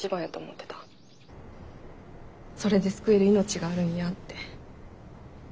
それで救える命があるんやって。